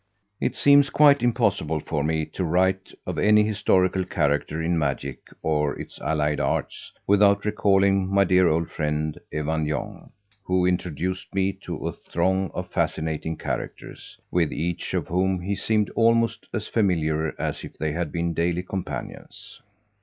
It seems quite impossible for me to write of any historical character in Magic or its allied arts without recalling my dear old friend Evanion, who introduced me to a throng of fascinating characters, with each of whom he seemed almost as familiar as if they had been daily companions.